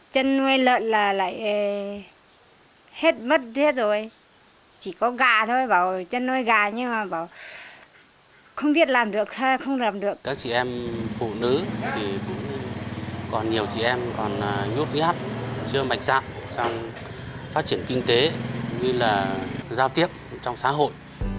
phụ nữ thì cũng còn nhiều chị em còn nhút nhát chưa mạnh dạng trong phát triển kinh tế như là giao tiếp trong xã hội